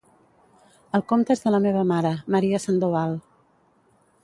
El compte és de la meva mare, Maria Sandoval.